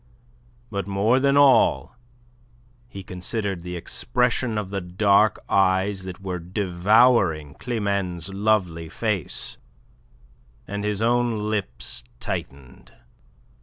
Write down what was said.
But more than all he considered the expression of the dark eyes that were devouring Climene's lovely face, and his own lips tightened.